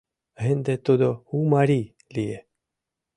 Ынде тудо «у марий» лие.